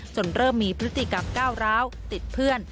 เริ่มมีพฤติกรรมก้าวร้าวติดเพื่อน